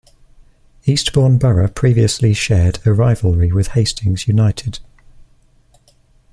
Eastbourne Borough previously shared a rivalry with Hastings United.